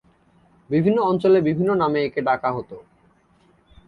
বিভিন্ন অঞ্চলে বিভিন্ন নামে একে ডাকা হতো।